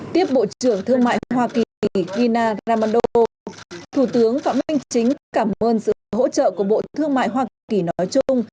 tiếp bộ trưởng thương mại hoa kỳ gina ramando thủ tướng phạm minh chính cảm ơn sự hỗ trợ của bộ thương mại hoa kỳ nói chung